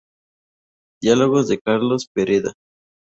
Diálogos con Carlos Pereda".